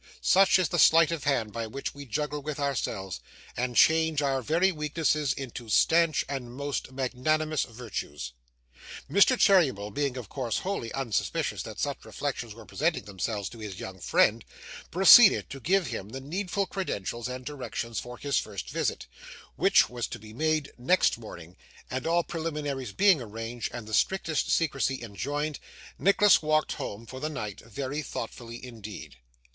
Such is the sleight of hand by which we juggle with ourselves, and change our very weaknesses into stanch and most magnanimous virtues! Mr. Cheeryble, being of course wholly unsuspicious that such reflections were presenting themselves to his young friend, proceeded to give him the needful credentials and directions for his first visit, which was to be made next morning; and all preliminaries being arranged, and the strictest secrecy enjoined, Nicholas walked home for the night very thoughtfully indeed.